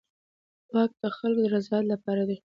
واک د خلکو د رضایت لپاره دی.